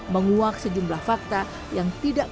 menguak sejumlah fakta yang tidak